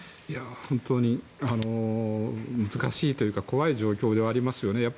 本当に難しいというか怖い状況ですよね。